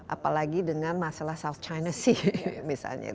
apalagi dengan masalah south china sea misalnya